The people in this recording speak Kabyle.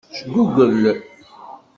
Jgugel.